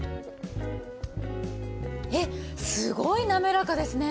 えっすごいなめらかですね。